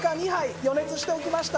予熱しておきました。